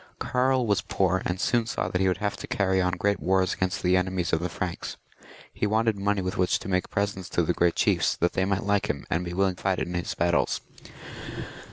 Karl was poor, and soon saw that he would have to carry on great wars against the enemies of the Franks. He wanted money with which to make presents to the great chiefs, that they might like him, and be willing to fight in his battles.